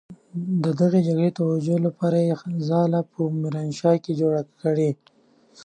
د دغې جګړې د توجيې لپاره يې ځاله په ميرانشاه کې جوړه کړې.